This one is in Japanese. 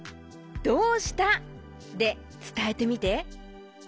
「どうした」でつたえてみて。